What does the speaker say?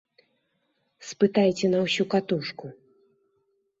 Спытайце на ўсю катушку.